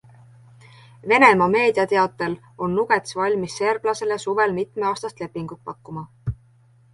Venemaa meedia teatel on Nuggets valmis serblasele suvel mitmeaastast lepingut pakkuma.